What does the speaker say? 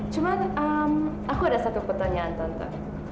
cuma aku ada satu pertanyaan tonton